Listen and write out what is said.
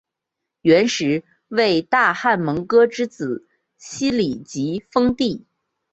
元时为大汗蒙哥之子昔里吉封地。